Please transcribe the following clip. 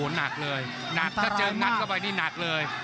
หนักเลยถ้าเจอกันหนักก็ไปนี่หนักเลย